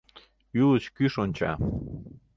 Ӱлыч кӱш онча.